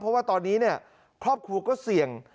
เพราะว่าตอนนี้ครอบครัวก็เสี่ยง